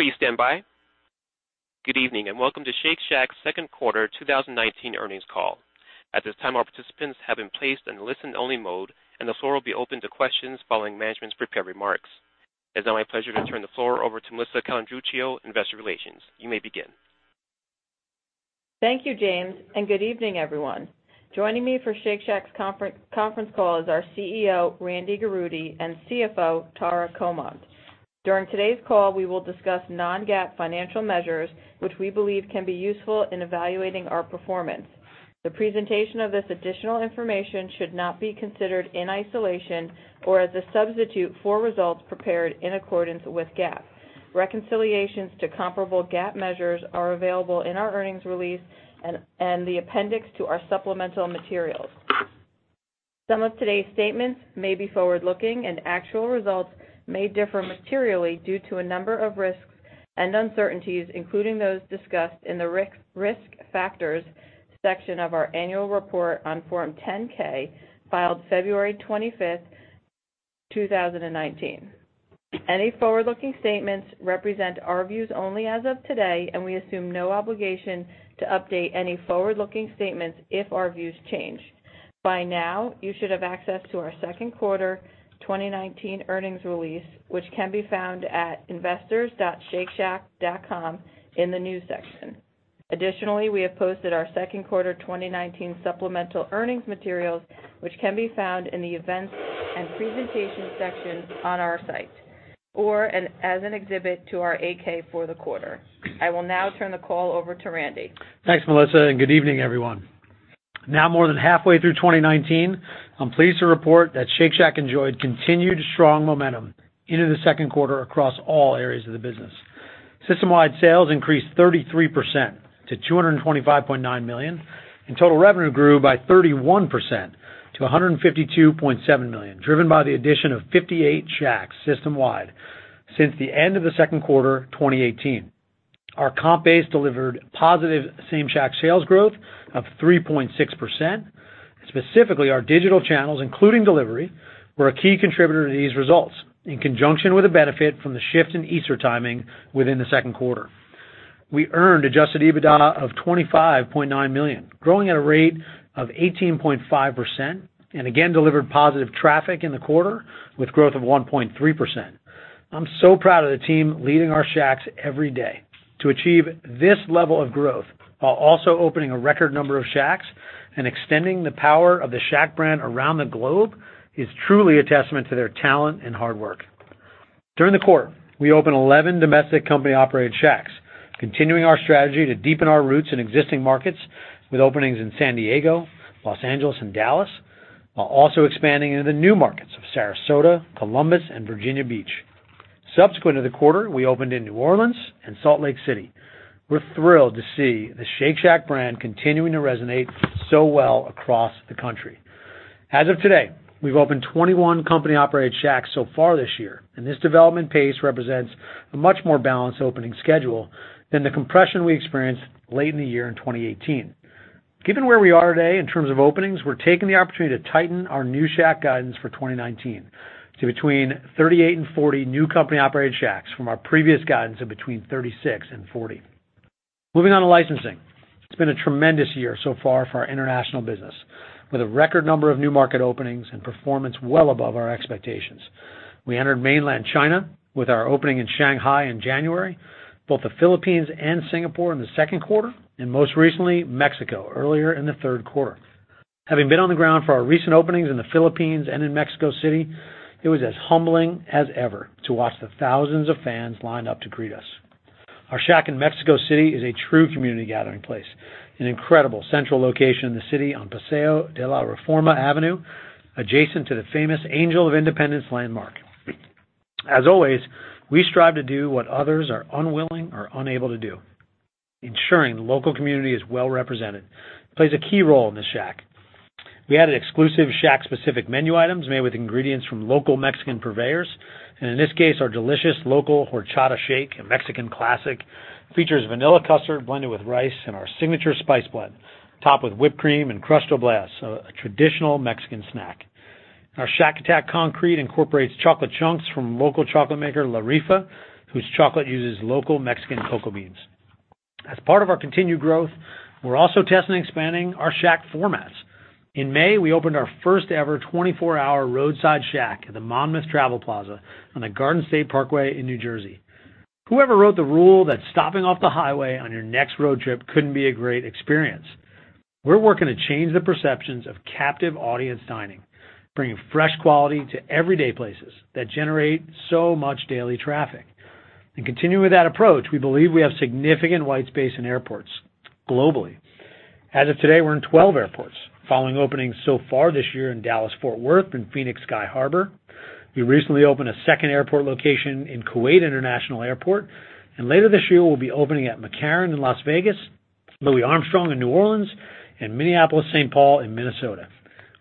Please stand by. Good evening, and welcome to Shake Shack's second quarter 2019 earnings call. At this time, all participants have been placed in listen-only mode, and the floor will be open to questions following management's prepared remarks. It's now my pleasure to turn the floor over to Melissa Calandruccio, Investor Relations. You may begin. Thank you, James, and good evening, everyone. Joining me for Shake Shack's conference call is our CEO, Randy Garutti, and CFO, Tara Comonte. During today's call, we will discuss non-GAAP financial measures which we believe can be useful in evaluating our performance. The presentation of this additional information should not be considered in isolation or as a substitute for results prepared in accordance with GAAP. Reconciliations to comparable GAAP measures are available in our earnings release and the appendix to our supplemental materials. Some of today's statements may be forward-looking, and actual results may differ materially due to a number of risks and uncertainties, including those discussed in the risk factors section of our annual report on Form 10-K, filed February 25th, 2019. Any forward-looking statements represent our views only as of today, and we assume no obligation to update any forward-looking statements if our views change. By now, you should have access to our second quarter 2019 earnings release, which can be found at investors.shakeshack.com in the News Section. Additionally, we have posted our second quarter 2019 supplemental earnings materials, which can be found in the Events and Presentation Section on our site, or as an exhibit to our 8-K for the quarter. I will now turn the call over to Randy. Thanks, Melissa, and good evening, everyone. Now more than halfway through 2019, I'm pleased to report that Shake Shack enjoyed continued strong momentum into the second quarter across all areas of the business. System-wide sales increased 33% to $225.9 million, and total revenue grew by 31% to $152.7 million, driven by the addition of 58 Shacks system-wide since the end of the second quarter 2018. Our comp base delivered positive same Shack sales growth of 3.6%. Specifically, our digital channels, including delivery, were a key contributor to these results, in conjunction with a benefit from the shift in Easter timing within the second quarter. We earned adjusted EBITDA of $25.9 million, growing at a rate of 18.5%, and again delivered positive traffic in the quarter, with growth of 1.3%. I'm so proud of the team leading our Shacks every day. To achieve this level of growth while also opening a record number of Shacks and extending the power of the Shack brand around the globe is truly a testament to their talent and hard work. During the quarter, we opened 11 domestic company-operated Shacks, continuing our strategy to deepen our roots in existing markets with openings in San Diego, Los Angeles, and Dallas, while also expanding into the new markets of Sarasota, Columbus, and Virginia Beach. Subsequent to the quarter, we opened in New Orleans and Salt Lake City. We're thrilled to see the Shake Shack brand continuing to resonate so well across the country. As of today, we've opened 21 company-operated Shacks so far this year, and this development pace represents a much more balanced opening schedule than the compression we experienced late in the year in 2018. Given where we are today in terms of openings, we're taking the opportunity to tighten our new Shack guidance for 2019 to between 38 and 40 new company-operated Shacks from our previous guidance of between 36 and 40. Moving on to licensing. It's been a tremendous year so far for our international business with a record number of new market openings and performance well above our expectations. We entered mainland China with our opening in Shanghai in January, both the Philippines and Singapore in the second quarter, and most recently, Mexico earlier in the third quarter. Having been on the ground for our recent openings in the Philippines and in Mexico City, it was as humbling as ever to watch the thousands of fans lined up to greet us. Our Shack in Mexico City is a true community gathering place, an incredible central location in the city on Paseo de la Reforma Avenue, adjacent to the famous Angel of Independence landmark. As always, we strive to do what others are unwilling or unable to do. Ensuring the local community is well-represented plays a key role in this Shack. We added exclusive Shack-specific menu items made with ingredients from local Mexican purveyors, and in this case, our delicious local Horchata Shake, a Mexican classic, features vanilla custard blended with rice and our signature spice blend, topped with whipped cream and churro crumbles, a traditional Mexican snack. Our Shack Attack Concrete incorporates chocolate chunks from local chocolate maker La Rifa, whose chocolate uses local Mexican cocoa beans. As part of our continued growth, we're also testing expanding our Shack formats. In May, we opened our first-ever 24-hour roadside Shack at the Monmouth Travel Plaza on the Garden State Parkway in New Jersey. Whoever wrote the rule that stopping off the highway on your next road trip couldn't be a great experience? We're working to change the perceptions of captive audience dining, bringing fresh quality to everyday places that generate so much daily traffic. In continuing with that approach, we believe we have significant white space in airports globally. As of today, we're in 12 airports following openings so far this year in Dallas-Fort Worth and Phoenix Sky Harbor. We recently opened a second airport location in Kuwait International Airport, and later this year, we'll be opening at McCarran in Las Vegas, Louis Armstrong in New Orleans, and Minneapolis-Saint Paul in Minnesota.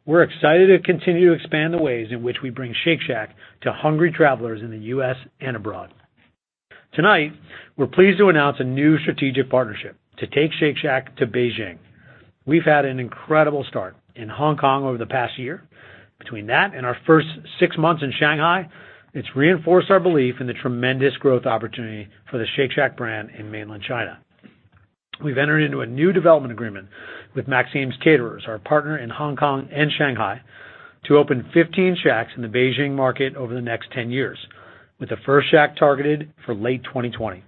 We're excited to continue to expand the ways in which we bring Shake Shack to hungry travelers in the U.S. and abroad. Tonight, we're pleased to announce a new strategic partnership to take Shake Shack to Beijing. We've had an incredible start in Hong Kong over the past year. Between that and our first six months in Shanghai, it's reinforced our belief in the tremendous growth opportunity for the Shake Shack brand in mainland China. We've entered into a new development agreement with Maxim's Caterers, our partner in Hong Kong and Shanghai, to open 15 Shacks in the Beijing market over the next 10 years, with the first Shack targeted for late 2020.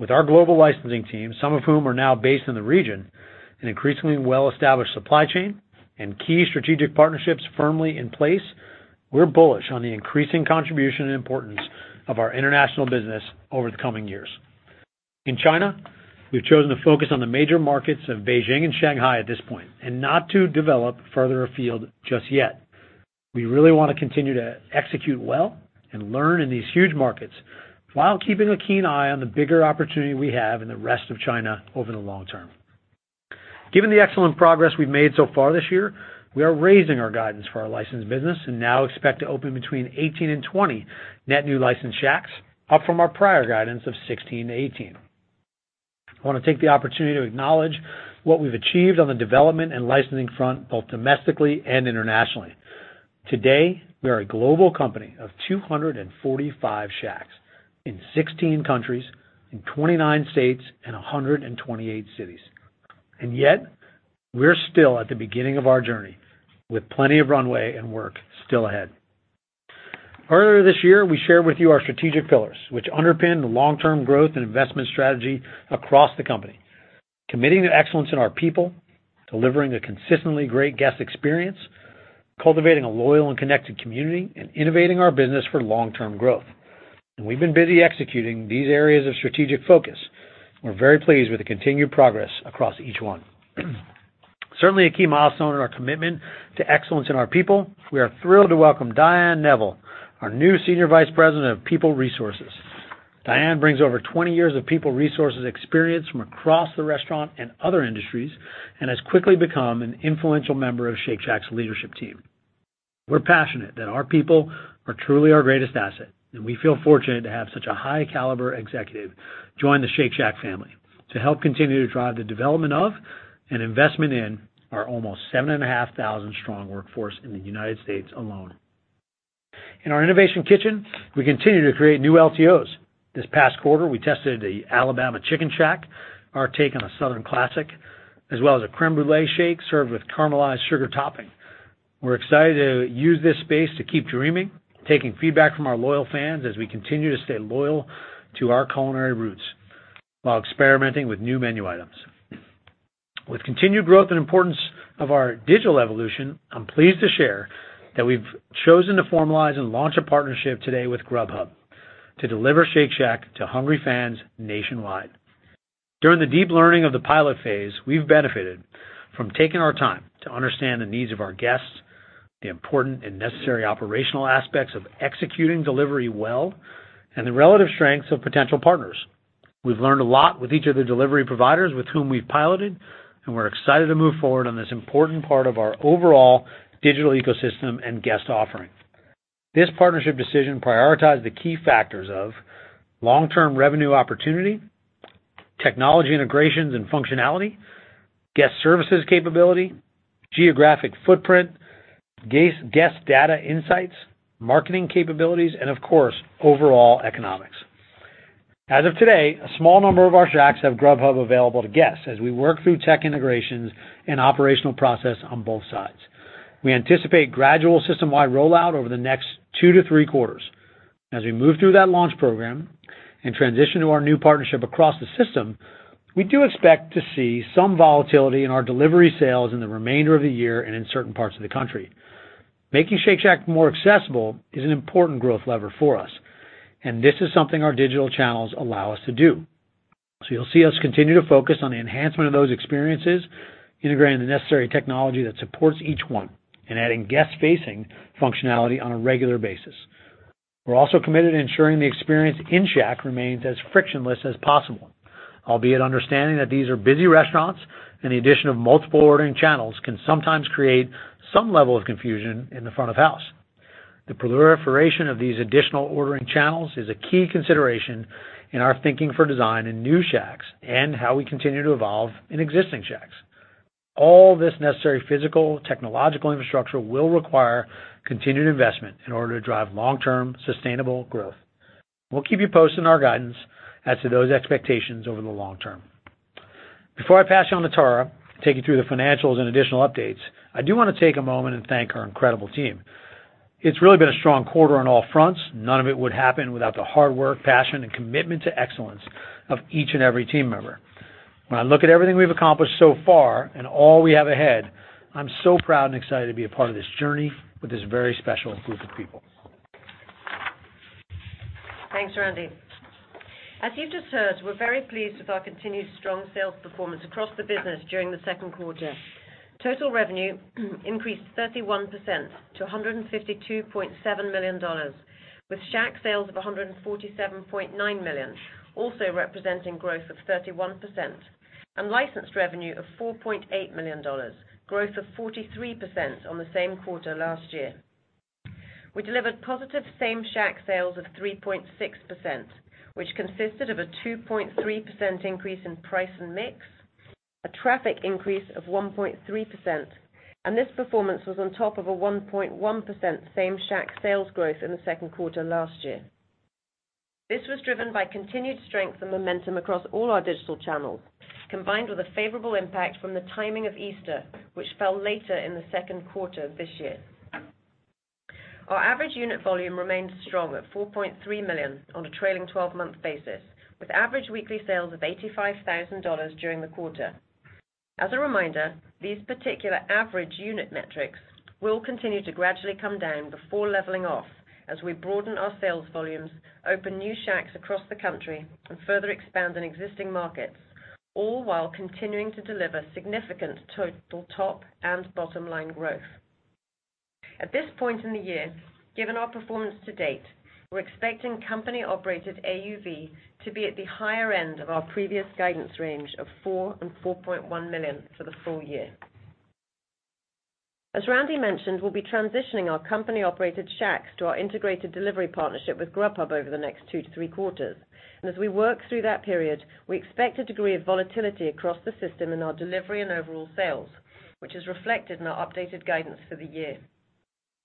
With our global licensing team, some of whom are now based in the region, an increasingly well-established supply chain, and key strategic partnerships firmly in place, we're bullish on the increasing contribution and importance of our international business over the coming years. In China, we've chosen to focus on the major markets of Beijing and Shanghai at this point and not to develop further afield just yet. We really want to continue to execute well and learn in these huge markets while keeping a keen eye on the bigger opportunity we have in the rest of China over the long term. Given the excellent progress we've made so far this year, we are raising our guidance for our licensed business and now expect to open between 18 and 20 net new licensed Shacks, up from our prior guidance of 16 to 18. I want to take the opportunity to acknowledge what we've achieved on the development and licensing front, both domestically and internationally. Today, we are a global company of 245 Shacks in 16 countries, in 29 states, and 128 cities. Yet we're still at the beginning of our journey with plenty of runway and work still ahead. Earlier this year, we shared with you our strategic pillars, which underpin the long-term growth and investment strategy across the company. Committing to excellence in our people, delivering a consistently great guest experience, cultivating a loyal and connected community, and innovating our business for long-term growth. We've been busy executing these areas of strategic focus. We're very pleased with the continued progress across each one. Certainly, a key milestone in our commitment to excellence in our people, we are thrilled to welcome Diane Neville, our new Senior Vice President of People Resources. Diane brings over 20 years of people resources experience from across the restaurant and other industries, and has quickly become an influential member of Shake Shack's leadership team. We're passionate that our people are truly our greatest asset, and we feel fortunate to have such a high-caliber executive join the Shake Shack family to help continue to drive the development of, and investment in, our almost 7,500-strong workforce in the United States alone. In our innovation kitchen, we continue to create new LTOs. This past quarter, we tested the Alabama Chicken Shack, our take on a Southern classic, as well as a crème brûlée shake served with caramelized sugar topping. We're excited to use this space to keep dreaming, taking feedback from our loyal fans as we continue to stay loyal to our culinary roots while experimenting with new menu items. With continued growth and importance of our digital evolution, I'm pleased to share that we've chosen to formalize and launch a partnership today with Grubhub to deliver Shake Shack to hungry fans nationwide. During the deep learning of the pilot phase, we've benefited from taking our time to understand the needs of our guests, the important and necessary operational aspects of executing delivery well, and the relative strengths of potential partners. We've learned a lot with each of the delivery providers with whom we've piloted, and we're excited to move forward on this important part of our overall digital ecosystem and guest offering. This partnership decision prioritized the key factors of long-term revenue opportunity, technology integrations and functionality, guest services capability, geographic footprint, guest data insights, marketing capabilities, and of course, overall economics. As of today, a small number of our Shacks have Grubhub available to guests as we work through tech integrations and operational process on both sides. We anticipate gradual system-wide rollout over the next 2 to 3 quarters. As we move through that launch program and transition to our new partnership across the system, we do expect to see some volatility in our delivery sales in the remainder of the year and in certain parts of the country. Making Shake Shack more accessible is an important growth lever for us, and this is something our digital channels allow us to do. You'll see us continue to focus on the enhancement of those experiences, integrating the necessary technology that supports each one and adding guest-facing functionality on a regular basis. We're also committed to ensuring the experience in Shack remains as frictionless as possible, albeit understanding that these are busy restaurants and the addition of multiple ordering channels can sometimes create some level of confusion in the front of house. The proliferation of these additional ordering channels is a key consideration in our thinking for design in new Shacks and how we continue to evolve in existing Shacks. All this necessary physical, technological infrastructure will require continued investment in order to drive long-term, sustainable growth. We'll keep you posted in our guidance as to those expectations over the long term. Before I pass you on to Tara to take you through the financials and additional updates, I do want to take a moment and thank our incredible team. It's really been a strong quarter on all fronts. None of it would happen without the hard work, passion, and commitment to excellence of each and every team member. When I look at everything we've accomplished so far and all we have ahead, I'm so proud and excited to be a part of this journey with this very special group of people. Thanks, Randy. As you've just heard, we're very pleased with our continued strong sales performance across the business during the second quarter. Total revenue increased 31% to $152.7 million, with Shack sales of $147.9 million, also representing growth of 31%, and licensed revenue of $4.8 million, growth of 43% on the same quarter last year. We delivered positive same Shack sales of 3.6%, which consisted of a 2.3% increase in price and mix, a traffic increase of 1.3%. This performance was on top of a 1.1% same Shack sales growth in the second quarter last year. This was driven by continued strength and momentum across all our digital channels, combined with a favorable impact from the timing of Easter, which fell later in the second quarter of this year. Our average unit volume remains strong at $4.3 million on a trailing 12-month basis, with average weekly sales of $85,000 during the quarter. As a reminder, these particular average unit metrics will continue to gradually come down before leveling off as we broaden our sales volumes, open new Shacks across the country, and further expand in existing markets, all while continuing to deliver significant total top and bottom-line growth. At this point in the year, given our performance to date, we're expecting company-operated AUV to be at the higher end of our previous guidance range of $4 million and $4.1 million for the full year. As Randy mentioned, we'll be transitioning our company-operated Shacks to our integrated delivery partnership with Grubhub over the next two to three quarters. As we work through that period, we expect a degree of volatility across the system in our delivery and overall sales, which is reflected in our updated guidance for the year.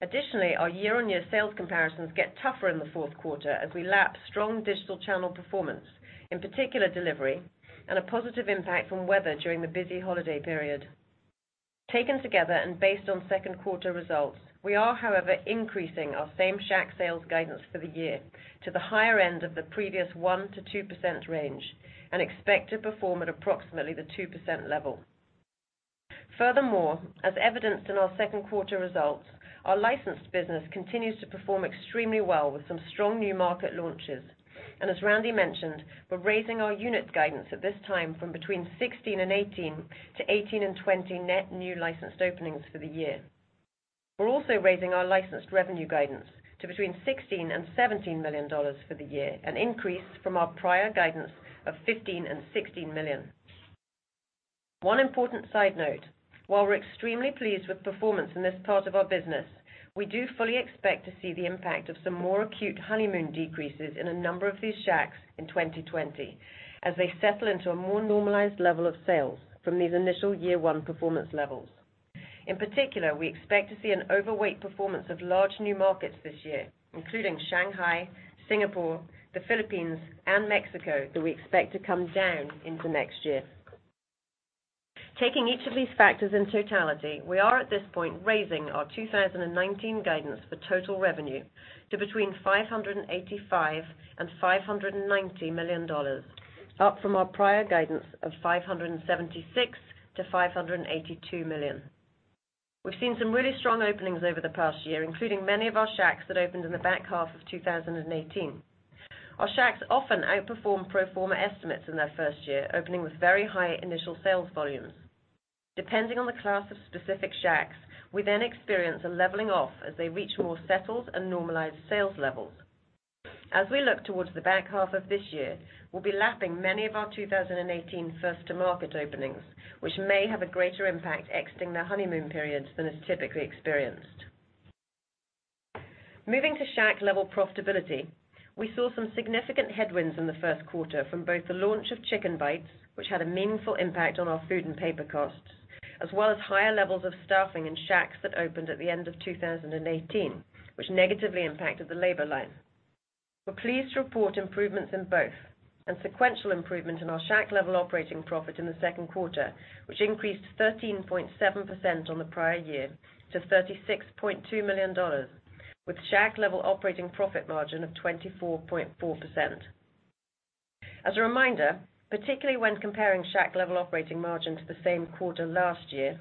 Additionally, our year-on-year sales comparisons get tougher in the fourth quarter as we lap strong digital channel performance, in particular delivery, and a positive impact from weather during the busy holiday period. Taken together and based on second quarter results, we are, however, increasing our same Shack sales guidance for the year to the higher end of the previous 1%-2% range and expect to perform at approximately the 2% level. Furthermore, as evidenced in our second quarter results, our licensed business continues to perform extremely well with some strong new market launches. As Randy mentioned, we're raising our unit guidance at this time from between 16 and 18 to 18 and 20 net new licensed openings for the year. We're also raising our licensed revenue guidance to between $16 million and $17 million for the year, an increase from our prior guidance of $15 million and $16 million. One important side note, while we're extremely pleased with performance in this part of our business, we do fully expect to see the impact of some more acute honeymoon decreases in a number of these Shacks in 2020 as they settle into a more normalized level of sales from these initial year one performance levels. In particular, we expect to see an overweight performance of large new markets this year, including Shanghai, Singapore, the Philippines, and Mexico, that we expect to come down into next year. Taking each of these factors in totality, we are at this point raising our 2019 guidance for total revenue to between $585 and $590 million, up from our prior guidance of $576 million-$582 million. We've seen some really strong openings over the past year, including many of our Shacks that opened in the back half of 2018. Our Shacks often outperform pro forma estimates in their first year, opening with very high initial sales volumes. Depending on the class of specific Shacks, we then experience a leveling off as they reach more settled and normalized sales levels. As we look towards the back half of this year, we'll be lapping many of our 2018 first-to-market openings, which may have a greater impact exiting their honeymoon periods than is typically experienced. Moving to Shack level profitability, we saw some significant headwinds in the first quarter from both the launch of Chick'n Bites, which had a meaningful impact on our food and paper costs, as well as higher levels of staffing in Shacks that opened at the end of 2018, which negatively impacted the labor line. We're pleased to report improvements in both and sequential improvement in our Shack level operating profit in the second quarter, which increased 13.7% on the prior year to $36.2 million, with Shack level operating profit margin of 24.4%. As a reminder, particularly when comparing Shack level operating margin to the same quarter last year,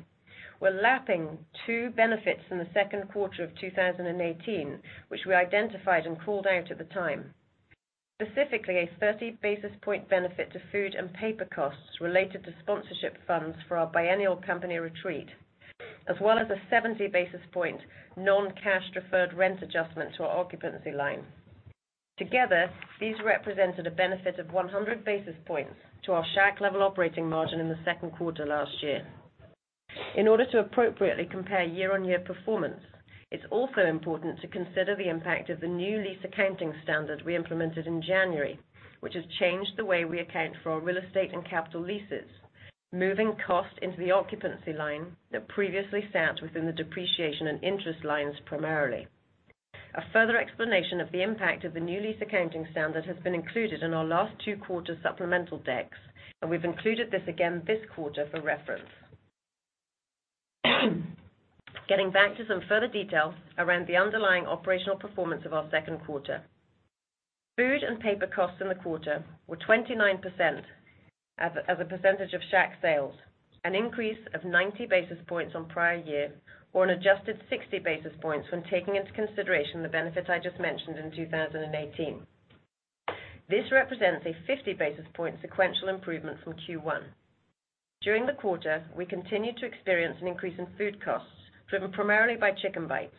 we're lapping two benefits in the second quarter of 2018, which we identified and called out at the time. Specifically, a 30-basis-point benefit to food and paper costs related to sponsorship funds for our biennial company retreat, as well as a 70-basis-point non-cash deferred rent adjustment to our occupancy line. Together, these represented a benefit of 100 basis points to our Shack level operating margin in the second quarter last year. In order to appropriately compare year-on-year performance, it's also important to consider the impact of the new lease accounting standard we implemented in January, which has changed the way we account for our real estate and capital leases, moving cost into the occupancy line that previously sat within the depreciation and interest lines primarily. A further explanation of the impact of the new lease accounting standard has been included in our last two quarter supplemental decks, and we've included this again this quarter for reference. Getting back to some further details around the underlying operational performance of our second quarter. Food and paper costs in the quarter were 29% as a percentage of Shack sales, an increase of 90 basis points on prior year, or an adjusted 60 basis points when taking into consideration the benefit I just mentioned in 2018. This represents a 50-basis-point sequential improvement from Q1. During the quarter, we continued to experience an increase in food costs driven primarily by Chick'n Bites,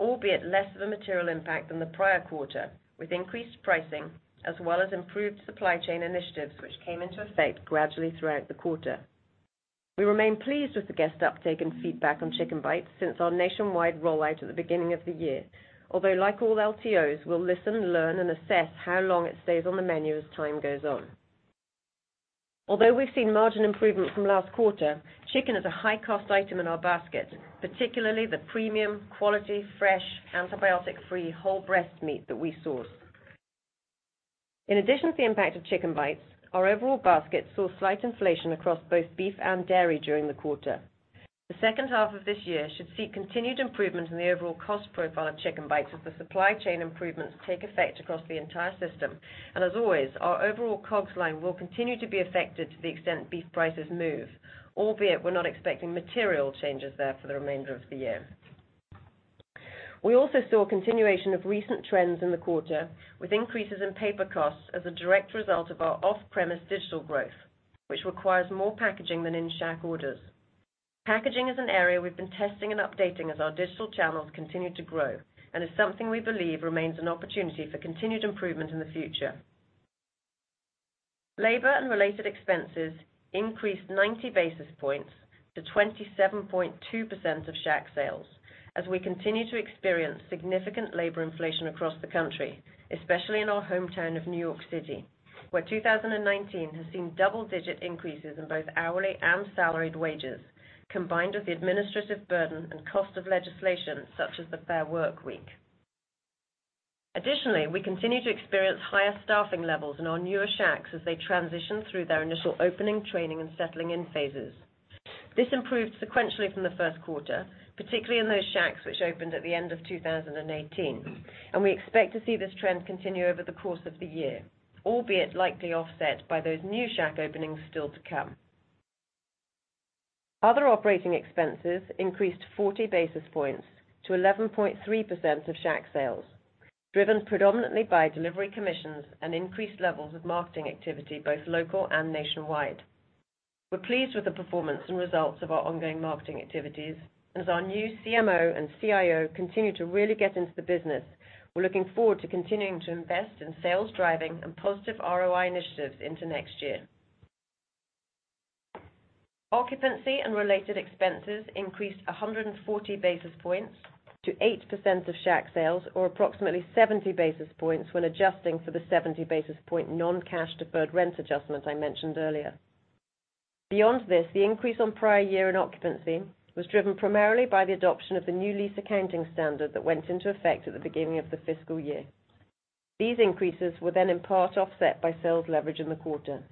albeit less of a material impact than the prior quarter, with increased pricing as well as improved supply chain initiatives which came into effect gradually throughout the quarter. Like all LTOs, we'll listen, learn, and assess how long it stays on the menu as time goes on. Although we've seen margin improvement from last quarter, chicken is a high-cost item in our basket, particularly the premium, quality, fresh, antibiotic-free whole breast meat that we source. In addition to the impact of Chick'n Bites, our overall basket saw slight inflation across both beef and dairy during the quarter. The second half of this year should see continued improvement in the overall cost profile of Chick'n Bites as the supply chain improvements take effect across the entire system. As always, our overall COGS line will continue to be affected to the extent beef prices move, albeit we're not expecting material changes there for the remainder of the year. We also saw a continuation of recent trends in the quarter, with increases in paper costs as a direct result of our off-premise digital growth, which requires more packaging than in-Shack orders. Packaging is an area we've been testing and updating as our digital channels continue to grow and is something we believe remains an opportunity for continued improvement in the future. Labor and related expenses increased 90 basis points to 27.2% of Shack sales as we continue to experience significant labor inflation across the country, especially in our hometown of New York City, where 2019 has seen double-digit increases in both hourly and salaried wages, combined with the administrative burden and cost of legislation such as the Fair Workweek. Additionally, we continue to experience higher staffing levels in our newer Shacks as they transition through their initial opening, training, and settling-in phases. This improved sequentially from the first quarter, particularly in those Shacks which opened at the end of 2018, and we expect to see this trend continue over the course of the year, albeit likely offset by those new Shack openings still to come. Other operating expenses increased 40 basis points to 11.3% of Shack sales, driven predominantly by delivery commissions and increased levels of marketing activity, both local and nationwide. We're pleased with the performance and results of our ongoing marketing activities, as our new CMO and CIO continue to really get into the business, we're looking forward to continuing to invest in sales-driving and positive ROI initiatives into next year. Occupancy and related expenses increased 140 basis points to 8% of Shack sales, or approximately 70 basis points when adjusting for the 70 basis point non-cash deferred rent adjustment I mentioned earlier. Beyond this, the increase on prior year in occupancy was driven primarily by the adoption of the new lease accounting standard that went into effect at the beginning of the fiscal year. These increases were then in part offset by sales leverage in the quarter.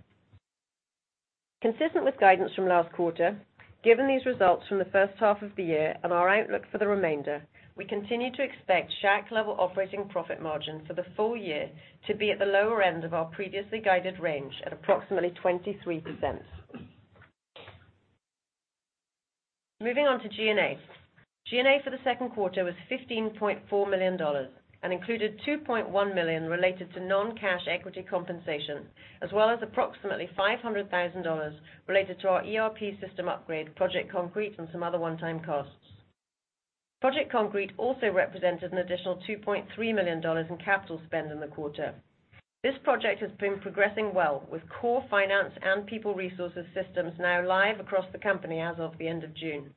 Consistent with guidance from last quarter, given these results from the first half of the year and our outlook for the remainder, we continue to expect Shack-level operating profit margin for the full year to be at the lower end of our previously guided range at approximately 23%. Moving on to G&A. G&A for the second quarter was $15.4 million and included $2.1 million related to non-cash equity compensation, as well as approximately $500,000 related to our ERP system upgrade, Project Concrete, and some other one-time costs. Project Concrete also represented an additional $2.3 million in capital spend in the quarter. This project has been progressing well, with core finance and people resources systems now live across the company as of the end of June.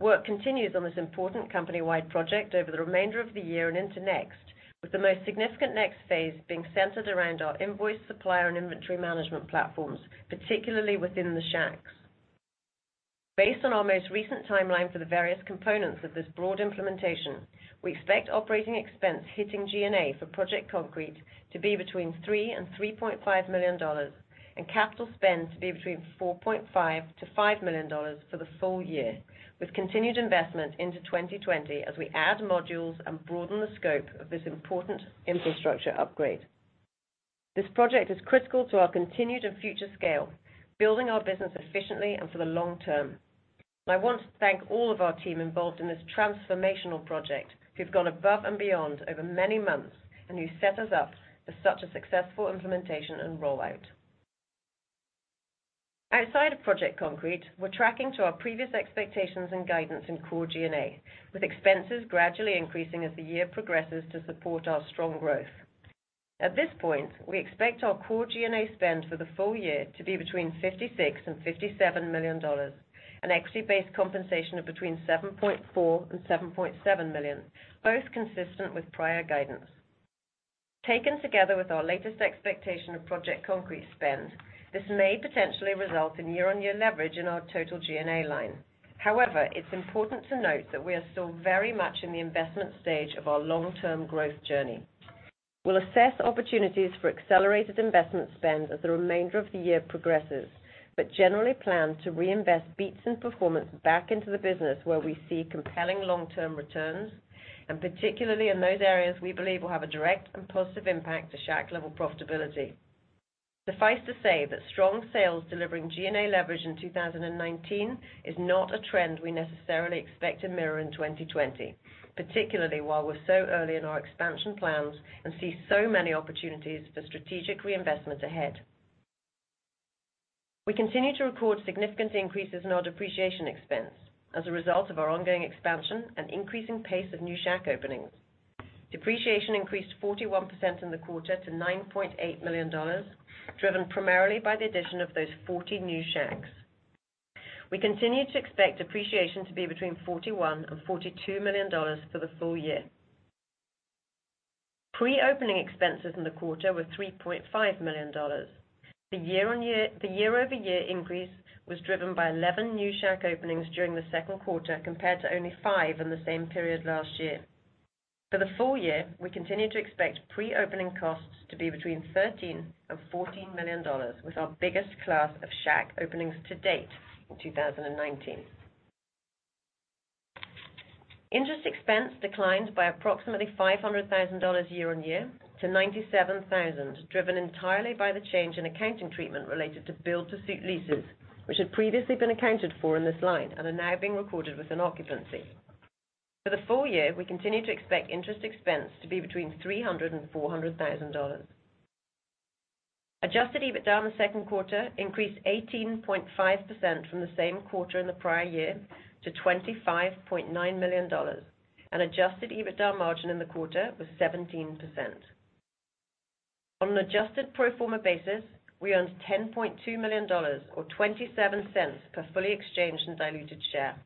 Work continues on this important company-wide project over the remainder of the year and into next, with the most significant next phase being centered around our invoice, supplier, and inventory management platforms, particularly within the Shacks. Based on our most recent timeline for the various components of this broad implementation, we expect OpEx hitting G&A for Project Concrete to be between $3 million and $3.5 million and capital spend to be between $4.5 million-$5 million for the full year, with continued investment into 2020 as we add modules and broaden the scope of this important infrastructure upgrade. This project is critical to our continued and future scale, building our business efficiently and for the long term. I want to thank all of our team involved in this transformational Project Concrete who've gone above and beyond over many months, and who set us up for such a successful implementation and rollout. Outside of Project Concrete, we're tracking to our previous expectations and guidance in core G&A, with expenses gradually increasing as the year progresses to support our strong growth. At this point, we expect our core G&A spend for the full year to be between $56 million and $57 million, and equity-based compensation of between $7.4 million and $7.7 million, both consistent with prior guidance. Taken together with our latest expectation of Project Concrete spend, this may potentially result in year-on-year leverage in our total G&A line. It's important to note that we are still very much in the investment stage of our long-term growth journey. We'll assess opportunities for accelerated investment spend as the remainder of the year progresses, but generally plan to reinvest beats and performance back into the business where we see compelling long-term returns, and particularly in those areas we believe will have a direct and positive impact to Shack-level profitability. Suffice to say that strong sales delivering G&A leverage in 2019 is not a trend we necessarily expect to mirror in 2020, particularly while we're so early in our expansion plans and see so many opportunities for strategic reinvestment ahead. We continue to record significant increases in our depreciation expense as a result of our ongoing expansion and increasing pace of new Shack openings. Depreciation increased 41% in the quarter to $9.8 million, driven primarily by the addition of those 40 new Shacks. We continue to expect depreciation to be between $41 and $42 million for the full year. Pre-opening expenses in the quarter were $3.5 million. The year-over-year increase was driven by 11 new Shack openings during the second quarter, compared to only five in the same period last year. For the full year, we continue to expect pre-opening costs to be between $13 million and $14 million, with our biggest class of Shack openings to date in 2019. Interest expense declined by approximately $500,000 year-on-year to $97,000, driven entirely by the change in accounting treatment related to build-to-suit leases, which had previously been accounted for in this line and are now being recorded within occupancy. For the full year, we continue to expect interest expense to be between $300,000 and $400,000. Adjusted EBITDA in the second quarter increased 18.5% from the same quarter in the prior year to $25.9 million, and adjusted EBITDA margin in the quarter was 17%. On an adjusted pro forma basis, we earned $10.2 million, or $0.27 per fully exchanged and diluted share.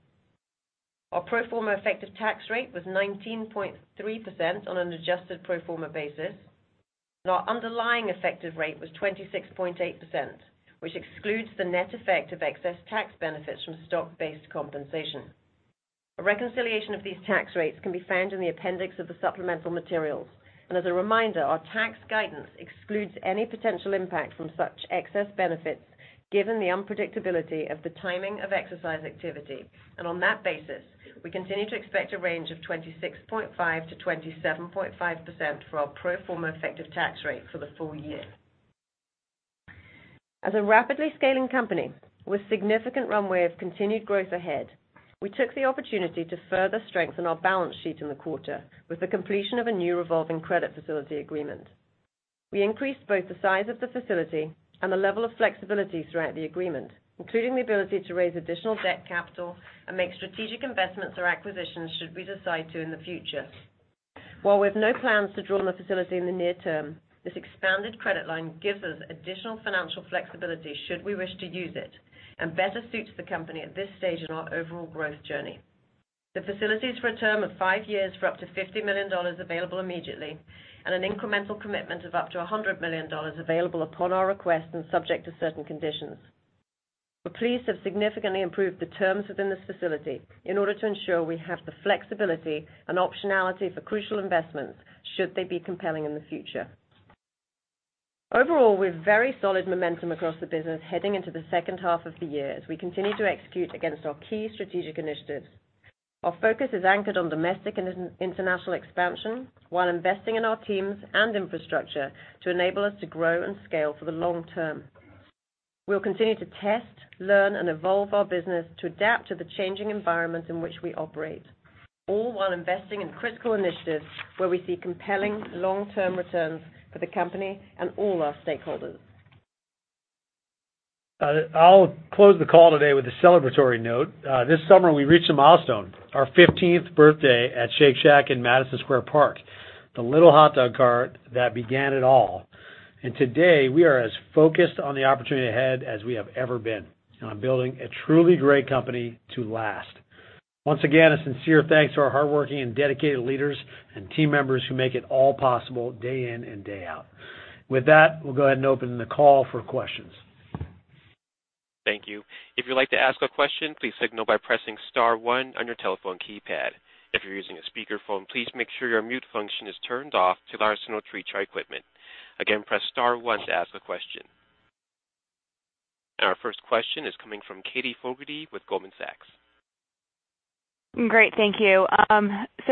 Our pro forma effective tax rate was 19.3% on an adjusted pro forma basis, and our underlying effective rate was 26.8%, which excludes the net effect of excess tax benefits from stock-based compensation. A reconciliation of these tax rates can be found in the appendix of the supplemental materials. As a reminder, our tax guidance excludes any potential impact from such excess benefits, given the unpredictability of the timing of exercise activity. On that basis, we continue to expect a range of 26.5%-27.5% for our pro forma effective tax rate for the full year. As a rapidly scaling company with significant runway of continued growth ahead, we took the opportunity to further strengthen our balance sheet in the quarter with the completion of a new revolving credit facility agreement. We increased both the size of the facility and the level of flexibility throughout the agreement, including the ability to raise additional debt capital and make strategic investments or acquisitions should we decide to in the future. While we have no plans to draw on the facility in the near term, this expanded credit line gives us additional financial flexibility should we wish to use it and better suits the company at this stage in our overall growth journey. The facility is for a term of five years for up to $50 million available immediately, and an incremental commitment of up to $100 million available upon our request and subject to certain conditions. We're pleased to have significantly improved the terms within this facility in order to ensure we have the flexibility and optionality for crucial investments should they be compelling in the future. We have very solid momentum across the business heading into the second half of the year as we continue to execute against our key strategic initiatives. Our focus is anchored on domestic and international expansion while investing in our teams and infrastructure to enable us to grow and scale for the long term. We'll continue to test, learn, and evolve our business to adapt to the changing environment in which we operate, all while investing in critical initiatives where we see compelling long-term returns for the company and all our stakeholders. I'll close the call today with a celebratory note. This summer, we reached a milestone, our 15th birthday at Shake Shack in Madison Square Park, the little hotdog cart that began it all. Today, we are as focused on the opportunity ahead as we have ever been on building a truly great company to last. Once again, a sincere thanks to our hardworking and dedicated leaders and team members who make it all possible day in and day out. With that, we'll go ahead and open the call for questions. Thank you. If you'd like to ask a question, please signal by pressing *1 on your telephone keypad. If you're using a speakerphone, please make sure your mute function is turned off to lessen our echo. Again, press *1 to ask a question. Our first question is coming from Katherine Fogertey with Goldman Sachs. Great. Thank you.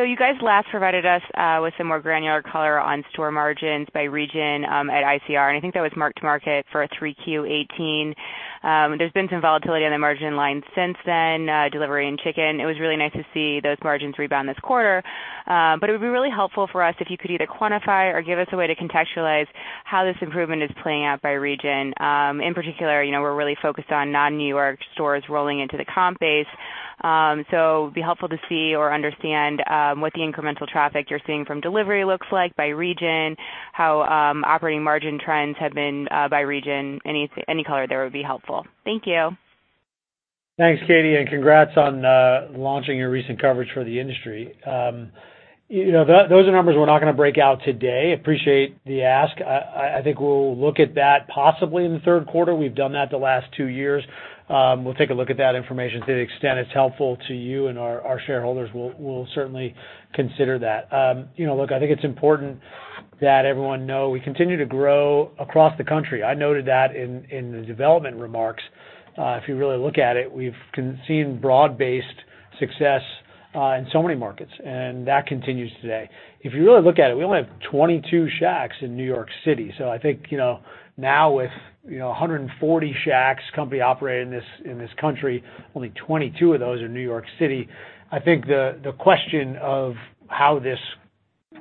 You guys last provided us with some more granular color on store margins by region at ICR, and I think that was mark-to-market for a 3Q 2018. There's been some volatility in the margin line since then, delivery and chicken. It was really nice to see those margins rebound this quarter. It would be really helpful for us if you could either quantify or give us a way to contextualize how this improvement is playing out by region. In particular, we're really focused on non-New York stores rolling into the comp base. It'd be helpful to see or understand what the incremental traffic you're seeing from delivery looks like by region, how operating margin trends have been by region. Any color there would be helpful. Thank you. Thanks, Katie, and congrats on launching your recent coverage for the industry. Those are numbers we're not going to break out today. Appreciate the ask. I think we'll look at that possibly in the third quarter. We've done that the last two years. We'll take a look at that information to the extent it's helpful to you and our shareholders. We'll certainly consider that. Look, I think it's important that everyone know we continue to grow across the country. I noted that in the development remarks. If you really look at it, we've seen broad-based success in so many markets, and that continues today. If you really look at it, we only have 22 Shacks in New York City. I think now with 140 Shacks company operating in this country, only 22 of those are in New York City. I think the question of how this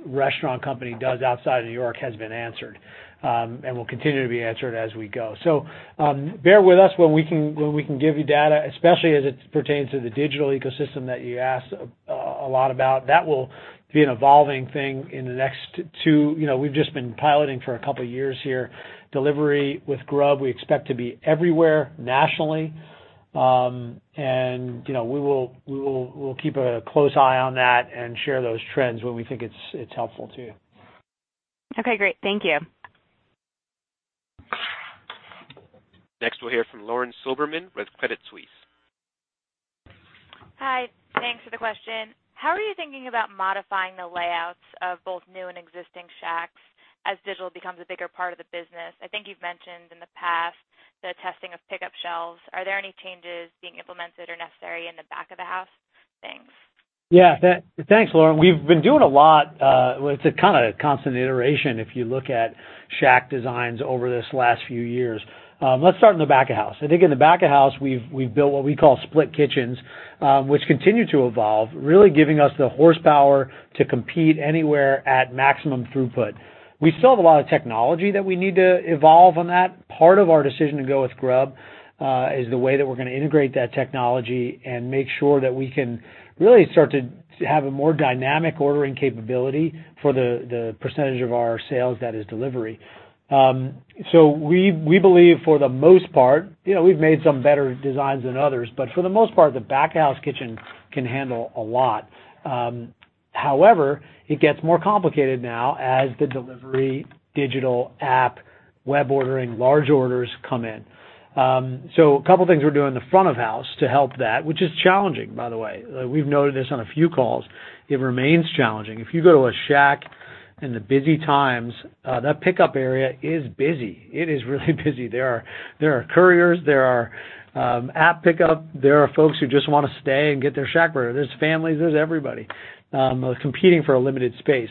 Restaurant company does outside of New York has been answered, and will continue to be answered as we go. Bear with us when we can give you data, especially as it pertains to the digital ecosystem that you asked a lot about. That will be an evolving thing in the next two. We've just been piloting for a couple of years here. Delivery with Grub, we expect to be everywhere nationally. We will keep a close eye on that and share those trends when we think it's helpful too. Okay, great. Thank you. Next, we'll hear from Lauren Silberman with Credit Suisse. Hi. Thanks for the question. How are you thinking about modifying the layouts of both new and existing Shacks as digital becomes a bigger part of the business? I think you've mentioned in the past the testing of pickup shelves. Are there any changes being implemented or necessary in the back of the house? Thanks. Yeah. Thanks, Lauren. We've been doing a lot, well, it's a kind of constant iteration if you look at Shack designs over this last few years. Let's start in the back of house. I think in the back of house, we've built what we call split kitchens, which continue to evolve, really giving us the horsepower to compete anywhere at maximum throughput. We still have a lot of technology that we need to evolve on that. Part of our decision to go with Grub is the way that we're going to integrate that technology and make sure that we can really start to have a more dynamic ordering capability for the percentage of our sales that is delivery. We believe for the most part, we've made some better designs than others, but for the most part, the back house kitchen can handle a lot. It gets more complicated now as the delivery digital app, web ordering, large orders come in. A couple of things we're doing in the front of house to help that, which is challenging, by the way. We've noted this on a few calls. It remains challenging. If you go to a Shack in the busy times, that pickup area is busy. It is really busy. There are couriers, there are app pickup, there are folks who just want to stay and get their ShackBurger. There's families, there's everybody competing for a limited space.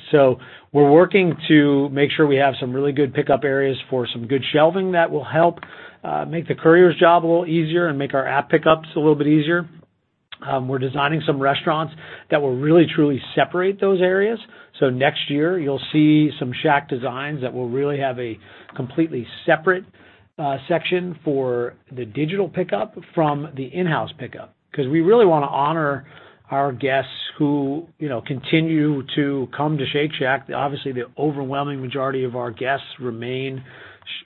We're working to make sure we have some really good pickup areas for some good shelving that will help make the couriers' job a little easier and make our app pickups a little bit easier. We're designing some restaurants that will really truly separate those areas. Next year, you'll see some Shack designs that will really have a completely separate section for the digital pickup from the in-house pickup, because we really want to honor our guests who continue to come to Shake Shack. Obviously, the overwhelming majority of our guests remain